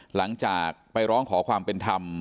หลังจากไปร้องขอความเป็นธรรม